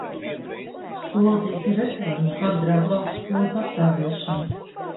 Skolu tīkla reforma apdraud lauku skolu pastāvēšanu.